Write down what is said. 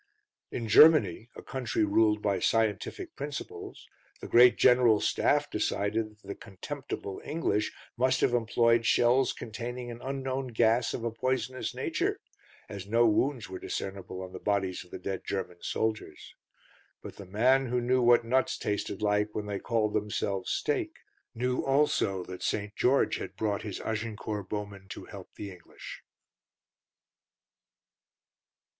In Germany, a country ruled by scientific principles, the Great General Staff decided that the contemptible English must have employed shells containing an unknown gas of a poisonous nature, as no wounds were discernible on the bodies of the dead German soldiers. But the man who knew what nuts tasted like when they called themselves steak knew also that St. George had brought his Agincourt Bowmen to help the English.